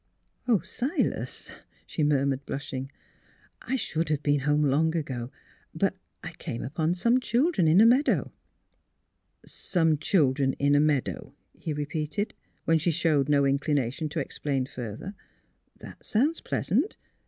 '* Oh! Silas," she murmured, blushing, " I should have been home long ago; but I — came upon some children in a meadow." " Some children in a meadow," he repeated, when she showed no inclination to explain further. *' That sounds pleasant.